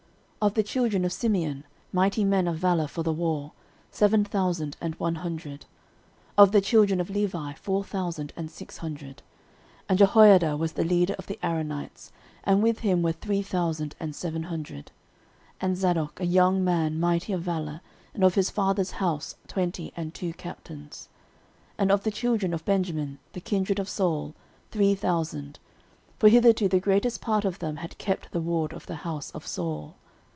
13:012:025 Of the children of Simeon, mighty men of valour for the war, seven thousand and one hundred. 13:012:026 Of the children of Levi four thousand and six hundred. 13:012:027 And Jehoiada was the leader of the Aaronites, and with him were three thousand and seven hundred; 13:012:028 And Zadok, a young man mighty of valour, and of his father's house twenty and two captains. 13:012:029 And of the children of Benjamin, the kindred of Saul, three thousand: for hitherto the greatest part of them had kept the ward of the house of Saul.